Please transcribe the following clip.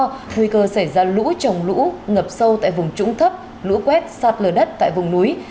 nguy cơ xảy ra lũ trồng lũ ngập sâu tại vùng trũng thấp lũ quét sạt lửa đất tại vùng núi